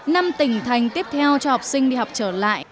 năm tỉnh thành tiếp theo cho học sinh đi học trở lại